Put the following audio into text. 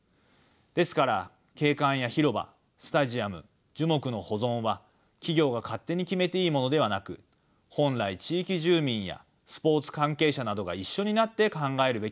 ですから景観や広場スタジアム樹木の保存は企業が勝手に決めていいものではなく本来地域住民やスポーツ関係者などが一緒になって考えるべき問題なのです。